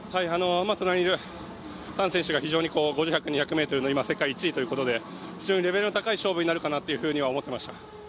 隣にいる覃選手が今、世界１位ということで非常にレベルの高い勝負になるかなと思いました。